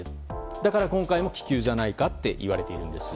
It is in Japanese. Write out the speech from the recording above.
だから今回も気球じゃないかといわれているんです。